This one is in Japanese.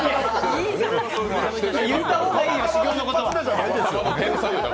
言うた方がいいよ、修業のことは。